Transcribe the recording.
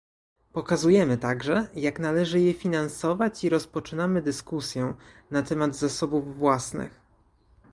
Pokazujemy także, jak należy je finansować i rozpoczynamy dyskusję na temat zasobów własnych